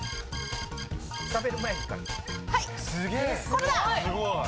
これだ！